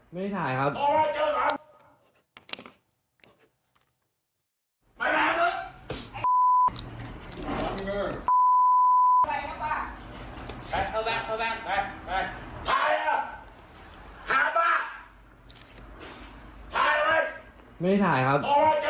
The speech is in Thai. ไม่ได้ถ่ายครับ